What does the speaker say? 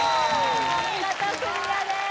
見事クリアです